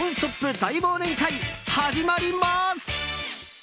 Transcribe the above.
大忘年会始まります！